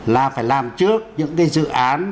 là phải làm trước những cái dự án